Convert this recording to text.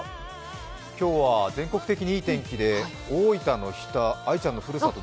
今日は全国的にいい天気で大分の日田、愛ちゃんのふるさと。